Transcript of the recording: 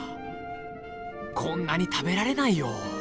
こんなに食べられないよ。